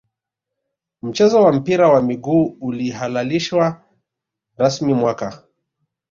mchezo wa mpira wa miguu ulihalalishwa rasmi mwaka